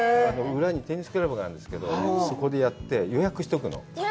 裏にテニスクラブがあったんですけど、そこでやって、予約しておくの。